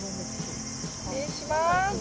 失礼します。